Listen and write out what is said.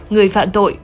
người phạm tội